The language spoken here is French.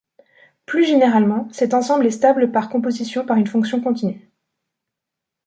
Plus généralement, cet ensemble est stable par composition par une fonction continue.